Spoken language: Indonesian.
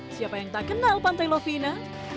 siapa yang tak kenal pantai lovina